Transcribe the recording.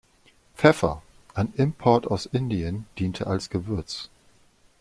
Pfeffer, ein Import aus Indien, diente als Gewürz.